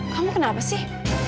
kamu kenapa sih